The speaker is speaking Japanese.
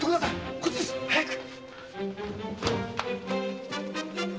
こっちです早く！